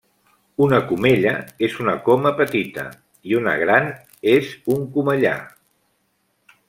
Una comella és una coma petita, i una gran és un comellar.